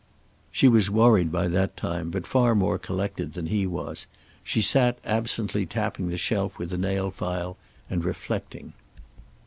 She was worried by that time, but far more collected than he was. She sat, absently tapping the shelf with a nail file, and reflecting.